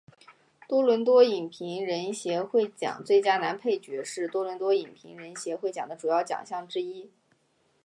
多伦多影评人协会奖最佳男配角是多伦多影评人协会奖的主要奖项之一。